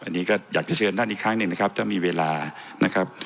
อันนี้ก็อยากจะเชิญท่านอีกครั้งหนึ่งนะครับถ้ามีเวลานะครับ